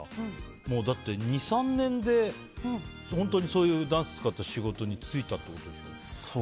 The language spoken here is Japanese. だって、２３年で本当にそういうダンス使った仕事に就いたってことでしょ。